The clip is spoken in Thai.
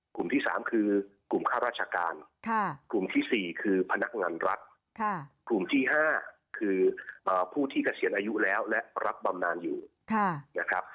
กลุ่มที่๓คือกลุ่มค่าราชการกลุ่มที่๔คือพนักงานรัฐกลุ่มที่๕คือผู้ที่เกษียณอายุแล้วและรับบำนานอยู่นะครับ